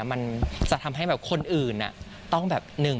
มันจะทำให้แบบคนอื่นต้องแบบหนึ่ง